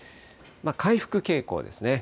回復傾向ですね。